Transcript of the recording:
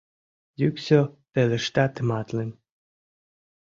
Йӱксӧ пелешта тыматлын: